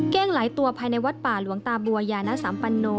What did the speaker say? เก้งหลายตัวภายในวัดป่าหลวงตาบัวยานสัมปันโน